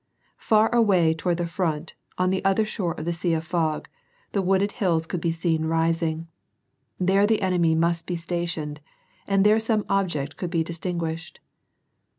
Far away, toward the front, on the other shore of the sea of fog, tbe wooded hills could be seen rising. There the enemy must be stationed, and there some object coiild be distinguished.